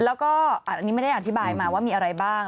แล้วก็อันนี้ไม่ได้อธิบายมาว่ามีอะไรบ้าง